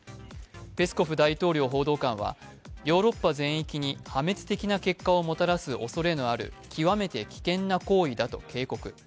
ペスコフ大統領報道官はヨーロッパ全域に破滅的な結果をもたらすおそれのある極めて危険な行為だと警告。